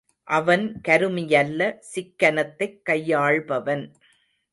அவன் கருமியல்ல சிக்கனத்தைக் கையாள்பவன்.